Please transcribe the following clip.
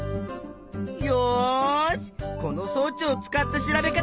よしこのそう置を使った調べ方